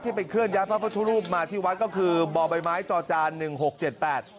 ไปเคลื่อย้ายพระพุทธรูปมาที่วัดก็คือบ่อใบไม้จอจานหนึ่งหกเจ็ดแปด